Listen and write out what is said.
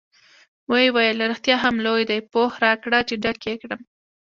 ویې ویل: رښتیا هم لوی دی، پوښ راکړه چې ډک یې کړم.